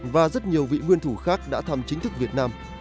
và rất nhiều vị nguyên thủ khác đã thăm chính thức việt nam